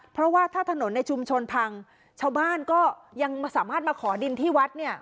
เพราะว่าถ้าถนนในชุมชนพังชาวบ้านก็ยังสามารถมาขอดินที่วัดเนี่ย